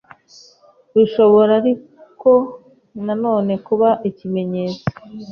Bishobora ariko na none kuba ikimenyetso